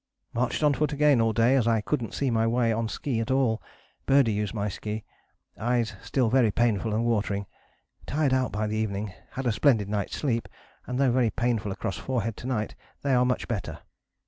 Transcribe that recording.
... "Marched on foot again all day as I couldn't see my way on ski at all, Birdie used my ski. Eyes still very painful and watering. Tired out by the evening, had a splendid night's sleep, and though very painful across forehead to night they are much better."